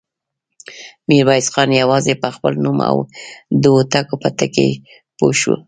ميرويس خان يواځې په خپل نوم او د هوتکو په ټکي پوه شو.